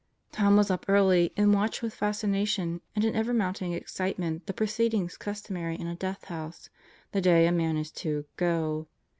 Tom was up early and watched with fascination and an ever mounting excitement the proceedings customary in a death house the day a man is to "go."